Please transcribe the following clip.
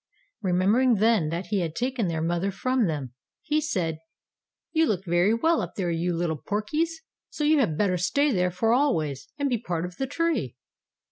Remembering then that he had taken their mother from them, he said, "You look very well up there, you little Porkys, so you had better stay there for always, and be part of the tree."